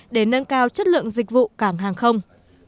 để nâng cao chất lượng dịch vụ cảng hàng không